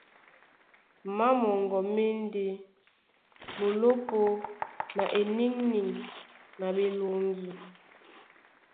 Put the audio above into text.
Má moŋgo má e ndé/ Mulópō na eniŋniŋ na ɓeloŋgi.